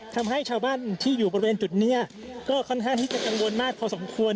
ทำให้ชาวบ้านที่อยู่บริเวณจุดนี้ก็ค่อนข้างที่จะกังวลมากพอสมควร